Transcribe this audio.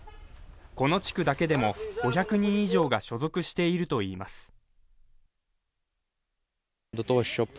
この地区だけでも５００人以上が所属しているといいます